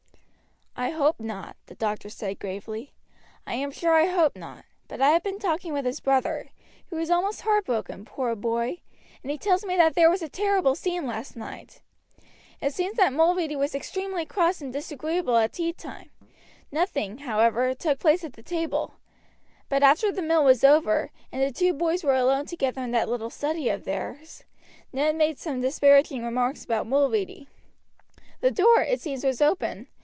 "I hope not," the doctor said gravely, "I am sure I hope not; but I have been talking with his brother, who is almost heartbroken, poor boy, and he tells me that there was a terrible scene last night. It seems that Mulready was extremely cross and disagreeable at tea time; nothing, however, took place at the table; but after the meal was over, and the two boys were alone together in that little study of theirs, Ned made some disparaging remarks about Mulready. The door, it seems, was open.